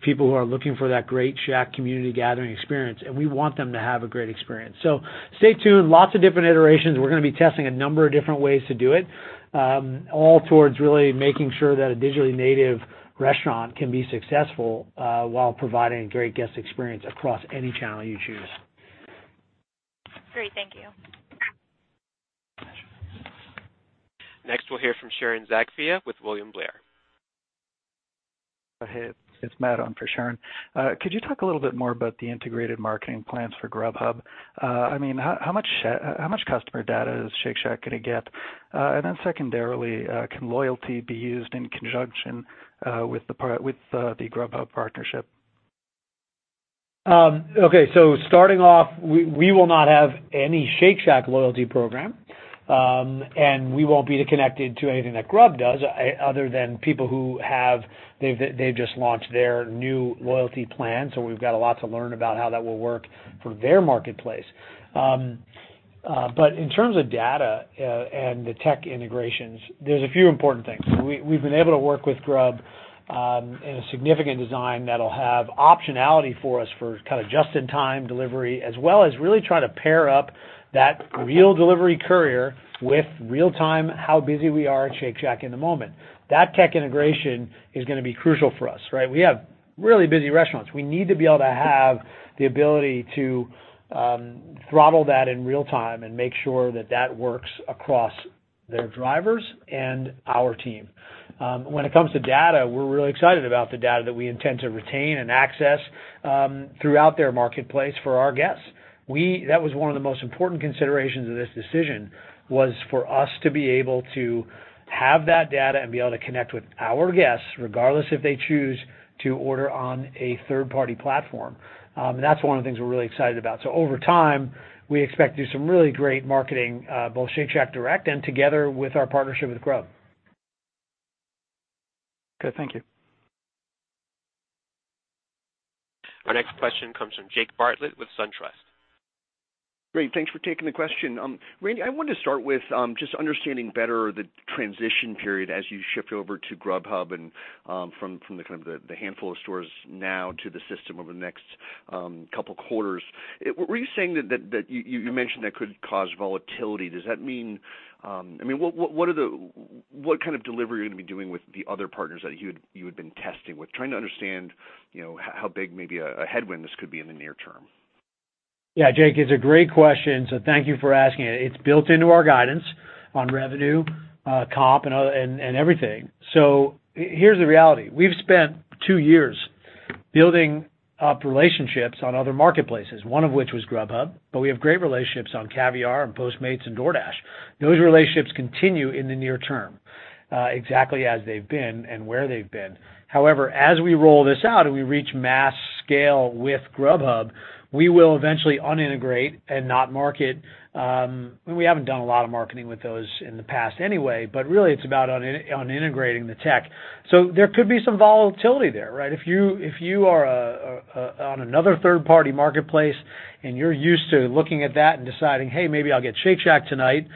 people who are looking for that great Shack community gathering experience, and we want them to have a great experience. Stay tuned. Lots of different iterations. We're going to be testing a number of different ways to do it, all towards really making sure that a digitally native restaurant can be successful, while providing a great guest experience across any channel you choose. Great. Thank you. Next, we'll hear from Sharon Zackfia with William Blair. Hey, it's Matt on for Sharon. Could you talk a little bit more about the integrated marketing plans for Grubhub? How much customer data is Shake Shack going to get? Secondarily, can loyalty be used in conjunction with the Grubhub partnership? Okay. Starting off, we will not have any Shake Shack loyalty program. We won't be connected to anything that Grubhub does other than people who have just launched their new loyalty plan. We've got a lot to learn about how that will work for their marketplace. In terms of data and the tech integrations, there's a few important things. We've been able to work with Grubhub in a significant design that'll have optionality for us for just-in-time delivery, as well as really trying to pair up that real delivery courier with real time, how busy we are at Shake Shack in the moment. That tech integration is going to be crucial for us, right? We have really busy restaurants. We need to be able to have the ability to throttle that in real time and make sure that that works across their drivers and our team. When it comes to data, we're really excited about the data that we intend to retain and access throughout their marketplace for our guests. That was one of the most important considerations of this decision, was for us to be able to have that data and be able to connect with our guests regardless if they choose to order on a third-party platform. That's one of the things we're really excited about. Over time, we expect to do some really great marketing, both Shake Shack direct and together with our partnership with Grub. Okay. Thank you. Our next question comes from Jake Bartlett with SunTrust. Great. Thanks for taking the question. Randy, I wanted to start with just understanding better the transition period as you shift over to Grubhub and from the handful of stores now to the system over the next couple quarters. Were you saying that you mentioned that could cause volatility? What kind of delivery are you going to be doing with the other partners that you had been testing with? Trying to understand how big maybe a headwind this could be in the near term. Yeah, Jake, it's a great question. Thank you for asking it. It's built into our guidance on revenue, comp, and everything. Here's the reality. We've spent two years building up relationships on other marketplaces, one of which was Grubhub, but we have great relationships on Caviar and Postmates and DoorDash. Those relationships continue in the near term. Exactly as they've been and where they've been. However, as we roll this out and we reach mass scale with Grubhub, we will eventually unintegrate and not market. We haven't done a lot of marketing with those in the past anyway, but really it's about unintegrating the tech. There could be some volatility there, right? If you are on another third-party marketplace and you're used to looking at that and deciding, "Hey, maybe I'll get Shake Shack tonight,"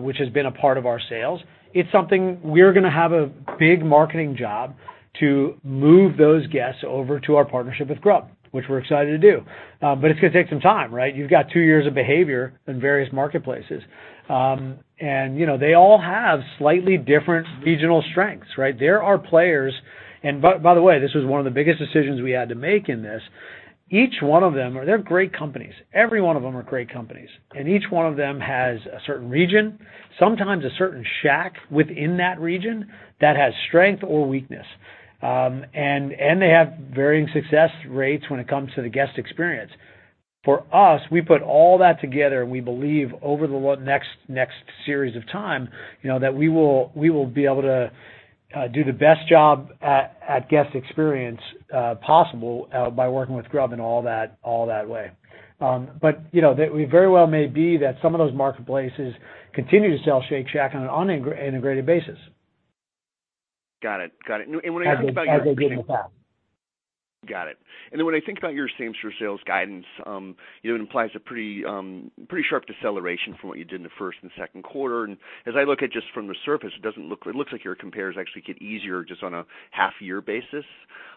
which has been a part of our sales, it's something we're going to have a big marketing job to move those guests over to our partnership with Grub, which we're excited to do. It's going to take some time, right? You've got two years of behavior in various marketplaces. They all have slightly different regional strengths, right? There are players, and by the way, this was one of the biggest decisions we had to make in this. Each one of them are great companies. Every one of them are great companies, and each one of them has a certain region, sometimes a certain shack within that region that has strength or weakness. They have varying success rates when it comes to the guest experience. For us, we put all that together and we believe over the next series of time, that we will be able to do the best job at guest experience possible by working with Grub in all that way. It very well may be that some of those marketplaces continue to sell Shake Shack on an unintegrated basis. Got it. When I think about As they did in the past. Got it. When I think about your same-store sales guidance, it implies a pretty sharp deceleration from what you did in the first and second quarter. As I look at just from the surface, it looks like your compares actually get easier just on a half-year basis.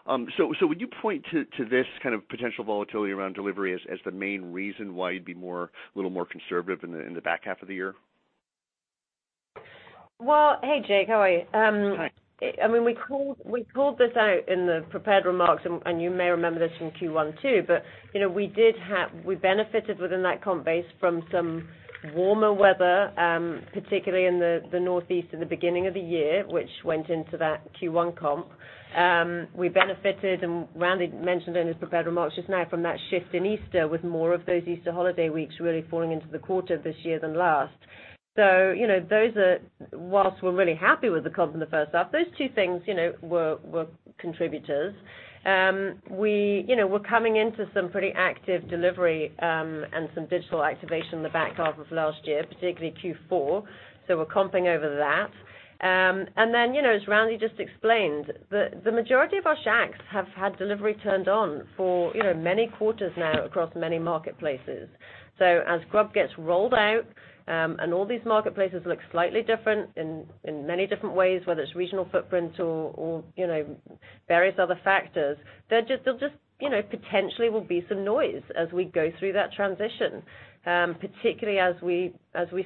Would you point to this kind of potential volatility around delivery as the main reason why you'd be a little more conservative in the back half of the year? Well, hey, Jake. How are you? Hi. We called this out in the prepared remarks, and you may remember this from Q1 too, but we benefited within that comp base from some warmer weather, particularly in the Northeast in the beginning of the year, which went into that Q1 comp. We benefited, and Randy mentioned it in his prepared remarks just now from that shift in Easter with more of those Easter holiday weeks really falling into the quarter this year than last. Whilst we're really happy with the comp in the first half, those two things were contributors. We're coming into some pretty active delivery, and some digital activation in the back half of last year, particularly Q4, so we're comping over that. As Randy just explained, the majority of our shacks have had delivery turned on for many quarters now across many marketplaces. As Grub gets rolled out, and all these marketplaces look slightly different in many different ways, whether it's regional footprint or various other factors, there just potentially will be some noise as we go through that transition, particularly as we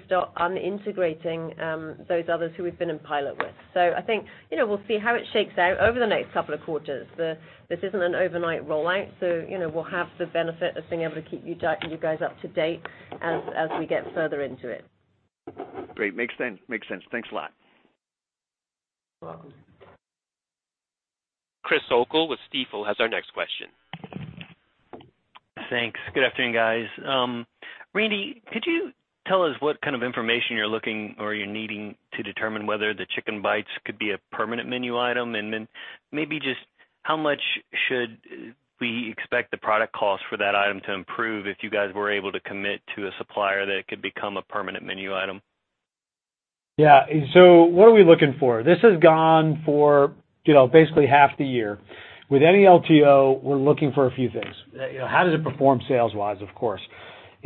start unintegrating those others who we've been in pilot with. I think we'll see how it shakes out over the next couple of quarters. This isn't an overnight rollout, so we'll have the benefit of being able to keep you guys up to date as we get further into it. Great. Makes sense. Thanks a lot. Welcome. Chris O'Cull with Stifel has our next question. Thanks. Good afternoon, guys. Randy, could you tell us what kind of information you're looking or you're needing to determine whether the Chick'n Bites could be a permanent menu item? Maybe just how much should we expect the product cost for that item to improve if you guys were able to commit to a supplier that it could become a permanent menu item? Yeah. What are we looking for? This has gone for basically half the year. With any LTO, we're looking for a few things. How does it perform sales-wise, of course.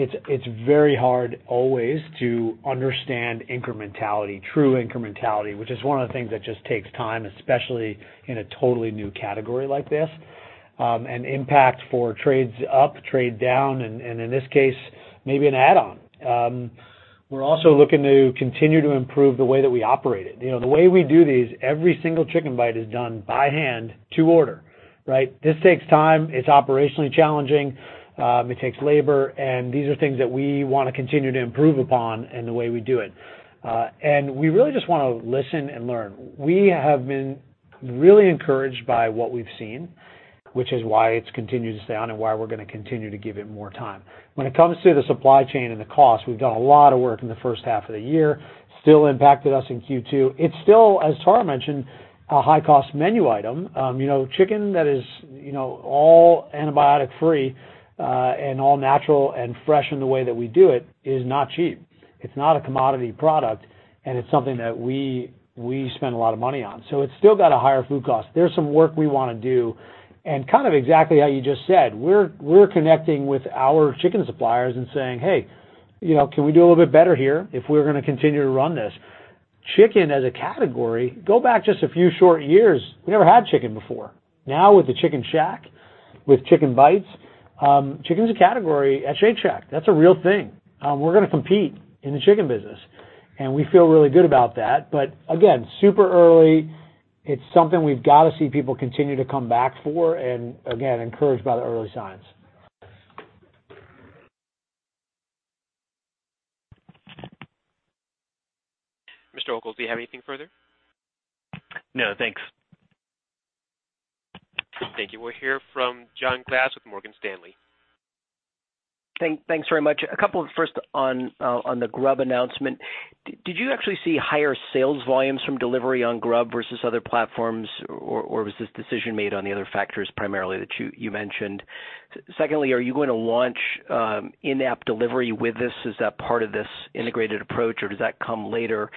It's very hard always to understand incrementality, true incrementality, which is one of the things that just takes time, especially in a totally new category like this. An impact for trades up, trade down, and in this case, maybe an add-on. We're also looking to continue to improve the way that we operate it. The way we do these, every single Chick'n Bite is done by hand to order. Right? This takes time, it's operationally challenging, it takes labor, and these are things that we want to continue to improve upon in the way we do it. We really just want to listen and learn. We have been really encouraged by what we've seen, which is why it's continued to stay on and why we're going to continue to give it more time. When it comes to the supply chain and the cost, we've done a lot of work in the first half of the year, still impacted us in Q2. It's still, as Tara mentioned, a high-cost menu item. Chicken that is all antibiotic-free, and all-natural and fresh in the way that we do it is not cheap. It's not a commodity product, and it's something that we spend a lot of money on. It's still got a higher food cost. There's some work we want to do, and kind of exactly how you just said, we're connecting with our chicken suppliers and saying, "Hey, can we do a little bit better here if we're going to continue to run this?" Chicken as a category, go back just a few short years, we never had chicken before. Now with the Chicken Shack, with Chick'n Bites, chicken's a category at Shake Shack. That's a real thing. We're going to compete in the chicken business, and we feel really good about that. Again, super early, it's something we've got to see people continue to come back for, and again, encouraged by the early signs. Mr. O'Cull, do you have anything further? No, thanks. Thank you. We'll hear from John Glass with Morgan Stanley. Thanks very much. A couple first on the Grub announcement. Did you actually see higher sales volumes from delivery on Grub versus other platforms, or was this decision made on the other factors primarily that you mentioned? Secondly, are you going to launch in-app delivery with this? Is that part of this integrated approach, or does that come later?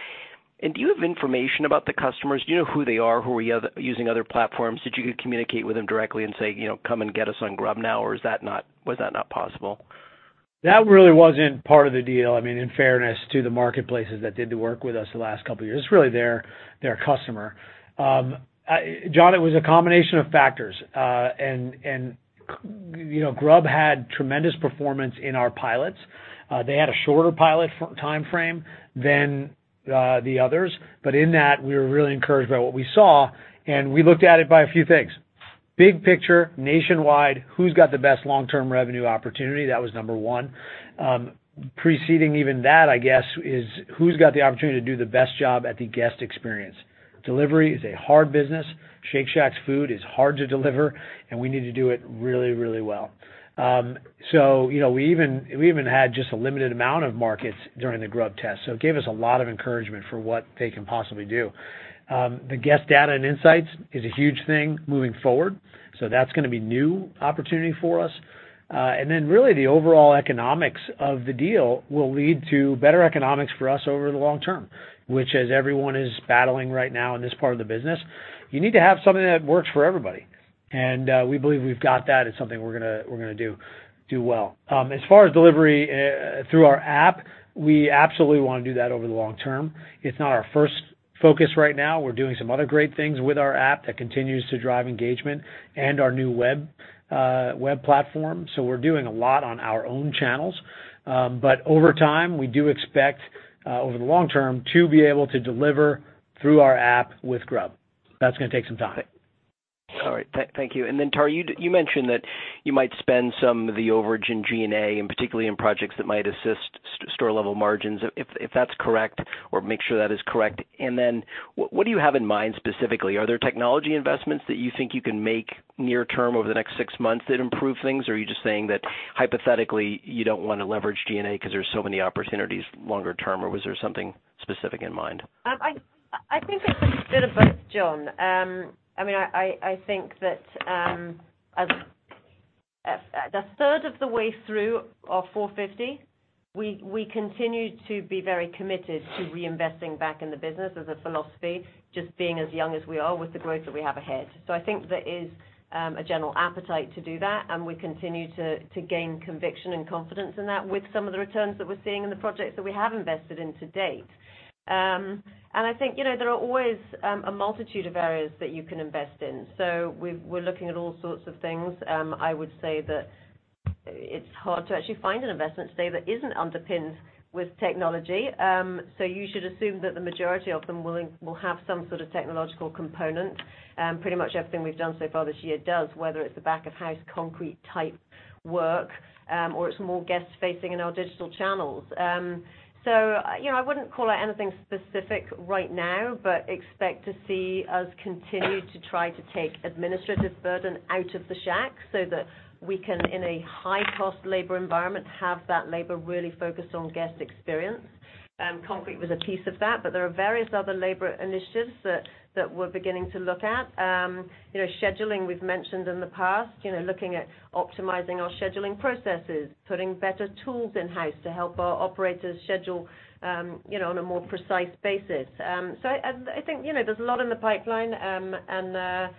Do you have information about the customers? Do you know who they are, who are using other platforms? Did you communicate with them directly and say, "Come and get us on Grub now," or was that not possible? That really wasn't part of the deal. In fairness to the marketplaces that did the work with us the last couple of years, it's really their customer. John, it was a combination of factors. Grubhub had tremendous performance in our pilots. They had a shorter pilot timeframe than the others. In that, we were really encouraged by what we saw, and we looked at it by a few things. Big picture, nationwide, who's got the best long-term revenue opportunity? That was number one. Preceding even that, I guess, is who's got the opportunity to do the best job at the guest experience? Delivery is a hard business. Shake Shack's food is hard to deliver, and we need to do it really, really well. We even had just a limited amount of markets during the Grubhub test. It gave us a lot of encouragement for what they can possibly do. The guest data and insights is a huge thing moving forward. That's going to be a new opportunity for us. Then really, the overall economics of the deal will lead to better economics for us over the long term, which, as everyone is battling right now in this part of the business, you need to have something that works for everybody. We believe we've got that. It's something we're going to do well. Far as delivery through our app, we absolutely want to do that over the long term. It's not our first focus right now. We're doing some other great things with our app that continues to drive engagement and our new web platform. We're doing a lot on our own channels. Over time, we do expect over the long term to be able to deliver through our app with Grub. That's going to take some time. All right. Thank you. Tara, you mentioned that you might spend some of the overage in G&A and particularly in projects that might assist store-level margins, if that's correct, or make sure that is correct. What do you have in mind specifically? Are there technology investments that you think you can make near term over the next six months that improve things? Are you just saying that hypothetically, you don't want to leverage G&A because there's so many opportunities longer term, or was there something specific in mind? I think it's a bit of both, John. I think that a third of the way through our 450, we continue to be very committed to reinvesting back in the business as a philosophy, just being as young as we are with the growth that we have ahead. I think there is a general appetite to do that, and we continue to gain conviction and confidence in that with some of the returns that we're seeing in the projects that we have invested in to date. I think there are always a multitude of areas that you can invest in. We're looking at all sorts of things. I would say that it's hard to actually find an investment today that isn't underpinned with technology. You should assume that the majority of them will have some sort of technological component. Pretty much everything we've done so far this year does, whether it's the back-of-house concrete type work or it's more guest-facing in our digital channels. I wouldn't call out anything specific right now, but expect to see us continue to try to take administrative burden out of the Shack so that we can, in a high-cost labor environment, have that labor really focused on guest experience. Concrete was a piece of that, but there are various other labor initiatives that we're beginning to look at. Scheduling we've mentioned in the past, looking at optimizing our scheduling processes, putting better tools in-house to help our operators schedule on a more precise basis. I think there's a lot in the pipeline, and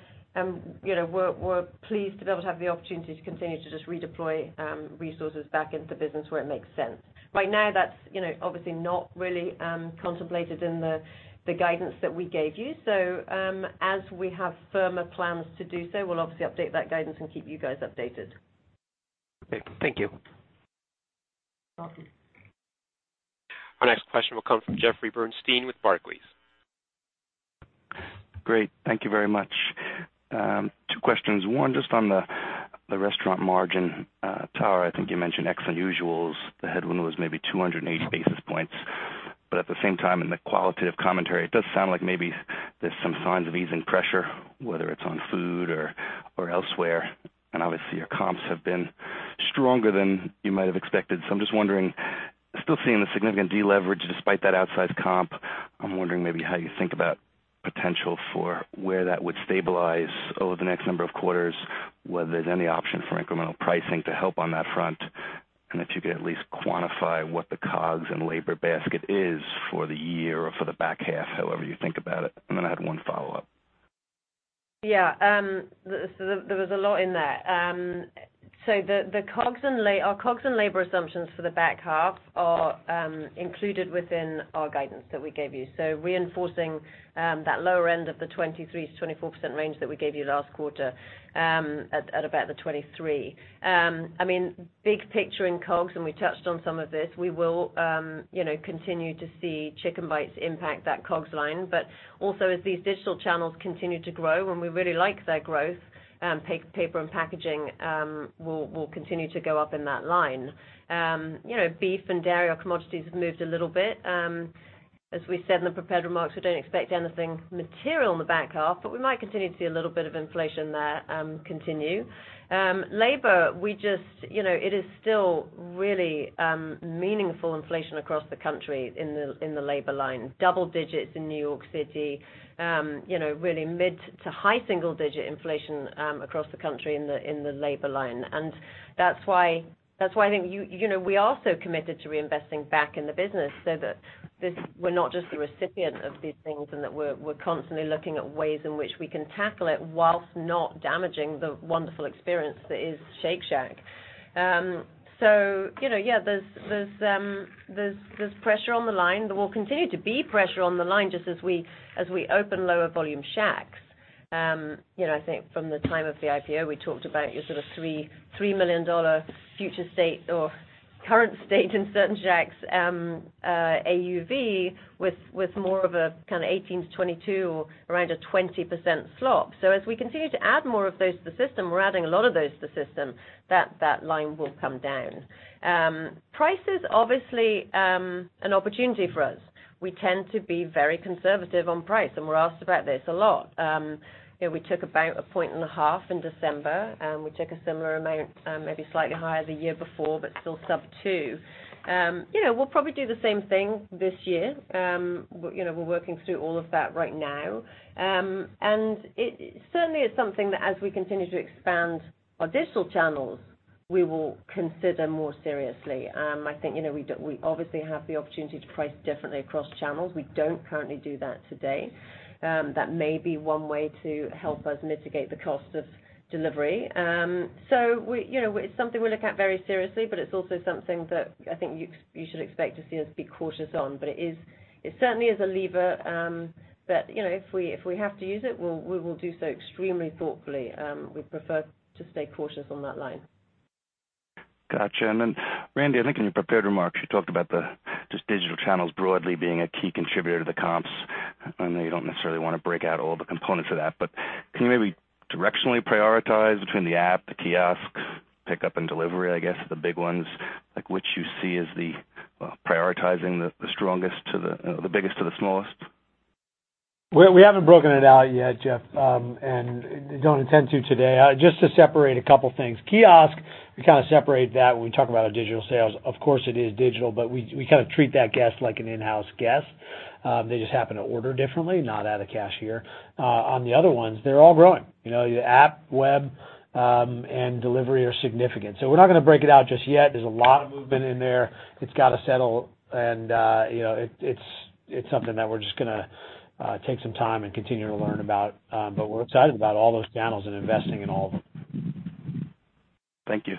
we're pleased to be able to have the opportunity to continue to just redeploy resources back into the business where it makes sense. Right now, that's obviously not really contemplated in the guidance that we gave you. As we have firmer plans to do so, we'll obviously update that guidance and keep you guys updated. Okay. Thank you. Okay. Our next question will come from Jeffrey Bernstein with Barclays. Great. Thank you very much. Two questions. One, just on the restaurant margin. Tara, I think you mentioned ex unusuals, the headwind was maybe 280 basis points. At the same time, in the qualitative commentary, it does sound like maybe there's some signs of easing pressure, whether it's on food or elsewhere. Obviously, your comps have been stronger than you might have expected. I'm just wondering, still seeing the significant deleverage despite that outsized comp. I'm wondering maybe how you think about potential for where that would stabilize over the next number of quarters, whether there's any option for incremental pricing to help on that front, and if you could at least quantify what the COGS and labor basket is for the year or for the back half, however you think about it. I have one follow-up. There was a lot in there. Our COGS and labor assumptions for the back half are included within our guidance that we gave you. Reinforcing that lower end of the 23%-24% range that we gave you last quarter at about the 23%. Big picture in COGS, and we touched on some of this, we will continue to see Chick'n Bites impact that COGS line. Also, as these digital channels continue to grow, and we really like their growth, paper and packaging will continue to go up in that line. Beef and dairy, our commodities have moved a little bit. As we said in the prepared remarks, we don't expect anything material in the back half, but we might continue to see a little bit of inflation there continue. Labor, it is still really meaningful inflation across the country in the labor line. Double digits in New York City. Really mid to high single digit inflation across the country in the labor line. That's why I think we are also committed to reinvesting back in the business, so that we're not just the recipient of these things, and that we're constantly looking at ways in which we can tackle it whilst not damaging the wonderful experience that is Shake Shack. Yeah, there's pressure on the line. There will continue to be pressure on the line just as we open lower volume Shacks. I think from the time of the IPO, we talked about your sort of $3 million future state or current state in certain Shacks AUV with more of a kind of 18%-22%, around a 20% slop. As we continue to add more of those to the system, we're adding a lot of those to the system, that line will come down. Prices, obviously, an opportunity for us. We tend to be very conservative on price, and we're asked about this a lot. We took about a point and a half in December, and we took a similar amount, maybe slightly higher, the year before, but still sub 2. We'll probably do the same thing this year. We're working through all of that right now. It certainly is something that as we continue to expand our digital channels, we will consider more seriously. I think we obviously have the opportunity to price differently across channels. We don't currently do that today. That may be one way to help us mitigate the cost of delivery. It's something we look at very seriously, but it's also something that I think you should expect to see us be cautious on. It certainly is a lever that if we have to use it, we will do so extremely thoughtfully. We prefer to stay cautious on that line. Got you. Randy, I think in your prepared remarks, you talked about just digital channels broadly being a key contributor to the comps. I know you don't necessarily want to break out all the components of that, can you maybe directionally prioritize between the app, the kiosk, pickup, and delivery, I guess, the big ones. Like which you see as the prioritizing the strongest to the biggest to the smallest? We haven't broken it out yet, Jeff, and don't intend to today. Just to separate a couple things. Kiosk, we kind of separate that when we talk about our digital sales. Of course, it is digital, but we kind of treat that guest like an in-house guest. They just happen to order differently, not at a cashier. On the other ones, they're all growing. The app, web, and delivery are significant. We're not going to break it out just yet. There's a lot of movement in there. It's got to settle, and it's something that we're just going to take some time and continue to learn about. We're excited about all those channels and investing in all of them. Thank you.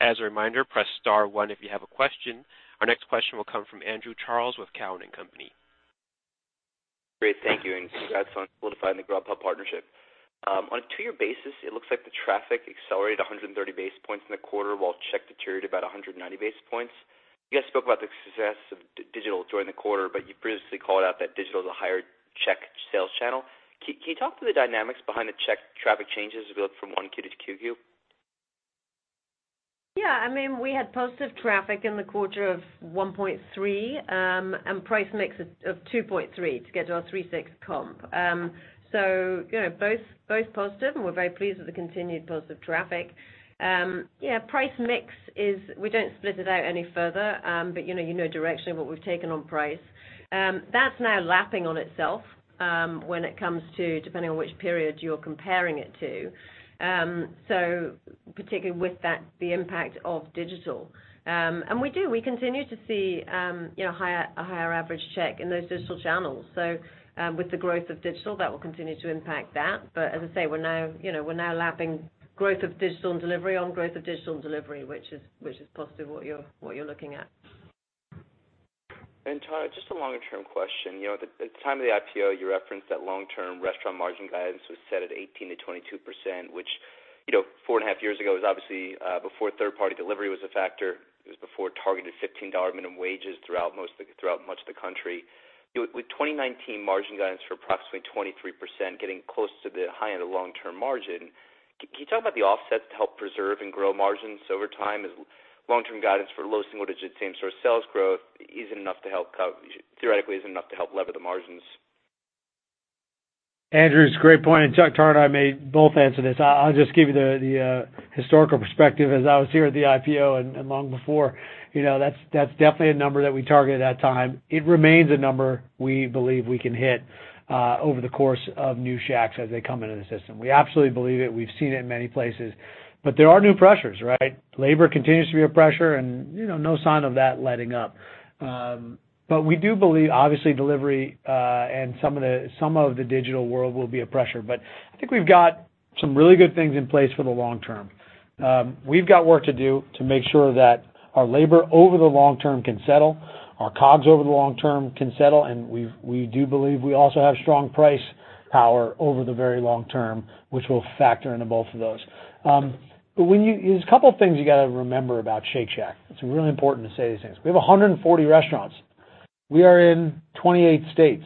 As a reminder, press star one if you have a question. Our next question will come from Andrew Charles with Cowen and Company. Great. Thank you. Congrats on solidifying the Grubhub partnership. On a two-year basis, it looks like the traffic accelerated 130 basis points in the quarter, while check deteriorated about 190 basis points. You guys spoke about the success of digital during the quarter. You previously called out that digital is a higher check sales channel. Can you talk to the dynamics behind the check traffic changes as we look from 1Q to 2Q? Yeah. We had positive traffic in the quarter of 1.3, and price mix of 2.3 to get to our 3.6 comp. Both positive, and we're very pleased with the continued positive traffic. Yeah, price mix is, we don't split it out any further, but you know directionally what we've taken on price. That's now lapping on itself, when it comes to depending on which period you're comparing it to. Particularly with that, the impact of digital. We do, we continue to see a higher average check in those digital channels. With the growth of digital, that will continue to impact that. As I say, we're now lapping growth of digital and delivery on growth of digital and delivery, which is possibly what you're looking at. Tara, just a longer-term question. At the time of the IPO, you referenced that long-term restaurant margin guidance was set at 18%-22%, which, 4.5 years ago is obviously before third-party delivery was a factor. It was before targeted $15 minimum wages throughout much of the country. With 2019 margin guidance for approximately 23% getting close to the high end of long-term margin, can you talk about the offsets to help preserve and grow margins over time as long-term guidance for low single-digit same store sales growth isn't enough to help cover, theoretically isn't enough to help lever the margins? Andrew, it's a great point, and Chuck Tara may both answer this. I'll just give you the historical perspective as I was here at the IPO and long before. That's definitely a number that we targeted that time. It remains a number we believe we can hit, over the course of new Shacks as they come into the system. We absolutely believe it. We've seen it in many places. There are new pressures, right? Labor continues to be a pressure and no sign of that letting up. We do believe, obviously, delivery, and some of the digital world will be a pressure, but I think we've got some really good things in place for the long term. We've got work to do to make sure that our labor over the long term can settle, our COGS over the long term can settle, and we do believe we also have strong price power over the very long term, which will factor into both of those. There's a couple of things you got to remember about Shake Shack. It's really important to say these things. We have 140 restaurants. We are in 28 states.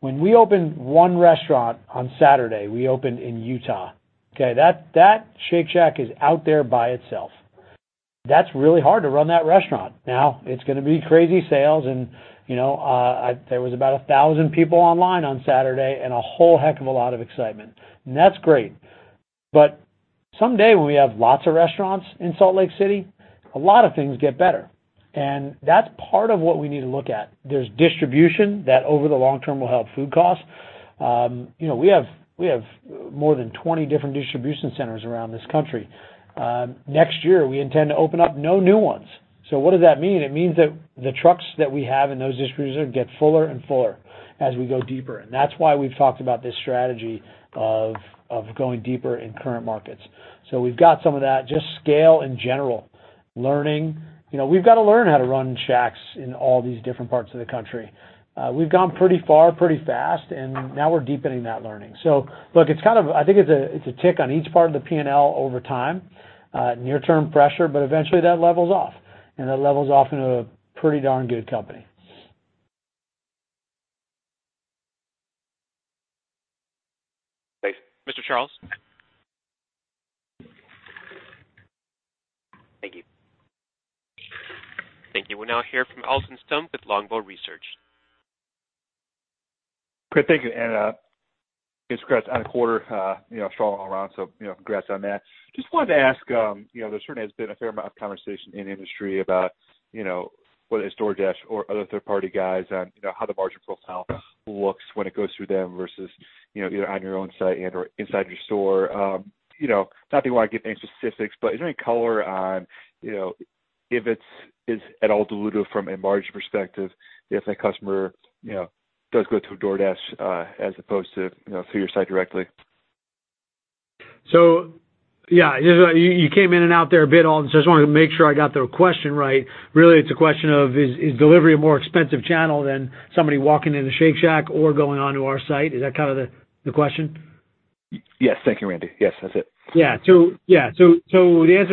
When we opened one restaurant on Saturday, we opened in Utah. That Shake Shack is out there by itself. That's really hard to run that restaurant. Now, it's going to be crazy sales and there was about 1,000 people online on Saturday, and a whole heck of a lot of excitement. That's great. Someday, when we have lots of restaurants in Salt Lake City, a lot of things get better. That's part of what we need to look at. There's distribution that over the long term will help food costs. We have more than 20 different distribution centers around the U.S. Next year, we intend to open up no new ones. What does that mean? It means that the trucks that we have in those distribution centers get fuller and fuller as we go deeper. That's why we've talked about this strategy of going deeper in current markets. We've got some of that, just scale in general. Learning. We've got to learn how to run Shacks in all these different parts of the U.S. We've gone pretty far, pretty fast, and now we're deepening that learning. Look, I think it's a tick on each part of the P&L over time. Near-term pressure, but eventually that levels off, and that levels off into a pretty darn good company. Thanks. Mr. Charles? Thank you. Thank you. We'll now hear from Alton Stump with Longbow Research. Great. Thank you. Guys, congrats on the quarter. Strong all around, congrats on that. Just wanted to ask, there certainly has been a fair amount of conversation in the industry about whether it's DoorDash or other third-party guys on how the margin profile looks when it goes through them versus either on your own site and/or inside your store. Not that you want to give any specifics, is there any color on if it's at all dilutive from a margin perspective if a customer does go through DoorDash as opposed to your site directly? Yeah. You came in and out there a bit, Alton, I just wanted to make sure I got the question right. Really, it's a question of, is delivery a more expensive channel than somebody walking into Shake Shack or going onto our site? Is that kind of the question? Yes. Thank you, Randy. Yes, that's it. The answer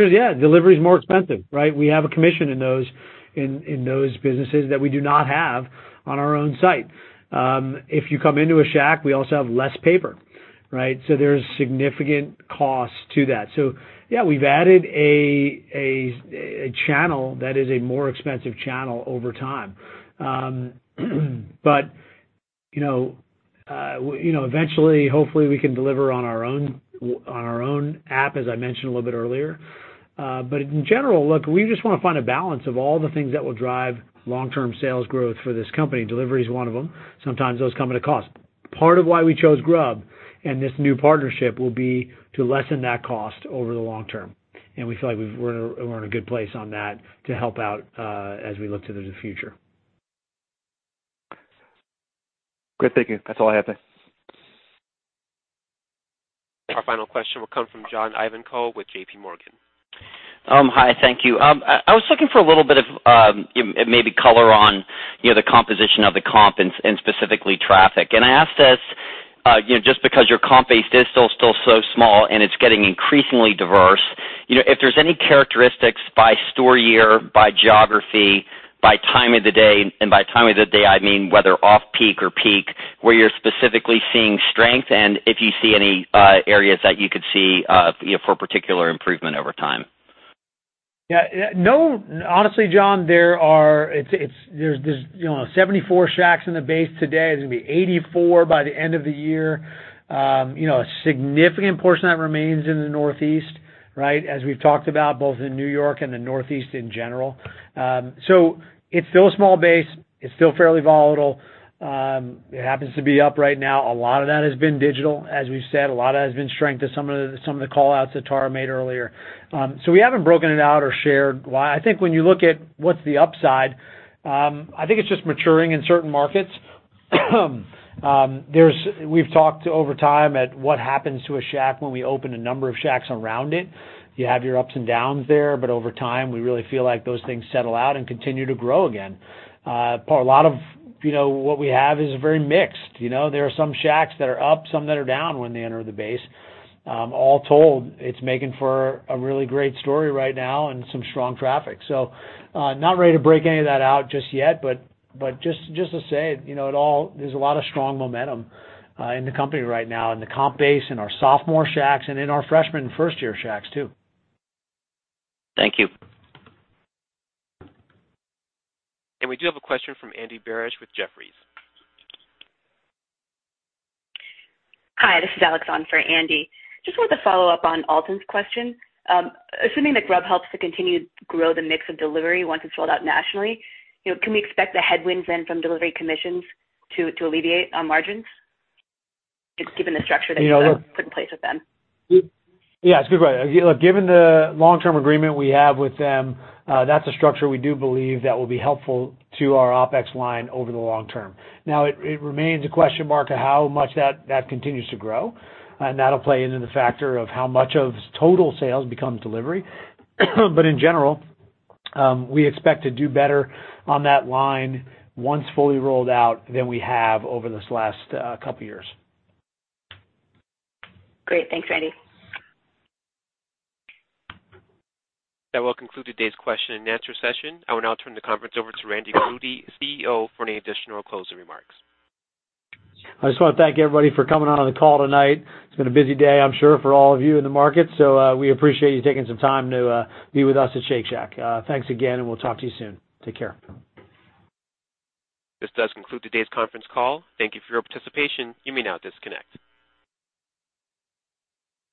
is yeah, delivery is more expensive, right? We have a commission in those businesses that we do not have on our own site. If you come into a Shack, we also have less paper, right? There's significant costs to that. Yeah, we've added a channel that is a more expensive channel over time. Eventually, hopefully, we can deliver on our own app, as I mentioned a little bit earlier. In general, look, we just want to find a balance of all the things that will drive long-term sales growth for this company. Delivery is one of them. Sometimes those come at a cost. Part of why we chose Grubhub and this new partnership will be to lessen that cost over the long term. We feel like we're in a good place on that to help out as we look to the future. Great. Thank you. That's all I have then. Our final question will come from John Ivankoe with JP Morgan. Hi, thank you. I was looking for a little bit of maybe color on the composition of the comp and specifically traffic. I ask this just because your comp base is still so small, and it's getting increasingly diverse. If there's any characteristics by store year, by geography, by time of the day, and by time of the day, I mean whether off-peak or peak, where you're specifically seeing strength and if you see any areas that you could see for particular improvement over time. Yeah. No. Honestly, John, there's 74 Shacks in the base today. There's going to be 84 by the end of the year. A significant portion of that remains in the Northeast, right? As we've talked about, both in New York and the Northeast in general. It's still a small base. It's still fairly volatile. It happens to be up right now. A lot of that has been digital, as we've said. A lot of it has been strength as some of the call-outs that Tara made earlier. We haven't broken it out or shared why. I think when you look at what's the upside, I think it's just maturing in certain markets. We've talked over time at what happens to a Shack when we open a number of Shacks around it. You have your ups and downs there, but over time, we really feel like those things settle out and continue to grow again. A lot of what we have is very mixed. There are some Shacks that are up, some that are down when they enter the base. All told, it's making for a really great story right now and some strong traffic. Not ready to break any of that out just yet, but just to say, there's a lot of strong momentum in the company right now, in the comp base, in our sophomore Shacks, and in our freshman and first-year Shacks, too. Thank you. We do have a question from Andy Barish with Jefferies. Hi, this is Alex on for Andy. Just wanted to follow up on Alton's question. Assuming that Grubhub helps to continue to grow the mix of delivery once it's rolled out nationally, can we expect the headwinds then from delivery commissions to alleviate on margins? Just given the structure that you put in place with them. It's a good question. Look, given the long-term agreement we have with them, that's a structure we do believe that will be helpful to our OpEx line over the long term. It remains a question mark of how much that continues to grow, and that'll play into the factor of how much of total sales becomes delivery. In general, we expect to do better on that line once fully rolled out than we have over this last couple of years. Great. Thanks, Randy. That will conclude today's question and answer session. I will now turn the conference over to Randy Garutti, CEO, for any additional closing remarks. I just want to thank everybody for coming on the call tonight. It's been a busy day, I'm sure, for all of you in the market. We appreciate you taking some time to be with us at Shake Shack. Thanks again. We'll talk to you soon. Take care. This does conclude today's conference call. Thank you for your participation. You may now disconnect.